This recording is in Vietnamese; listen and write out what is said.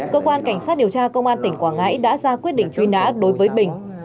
cơ quan cảnh sát điều tra công an tỉnh quảng ngãi đã ra quyết định truy nã đối với bình